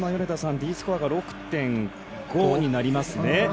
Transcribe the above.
Ｄスコアが６．５になりますね。